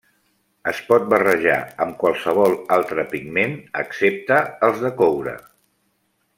Es pot barrejar amb qualsevol altre pigment, excepte els de coure.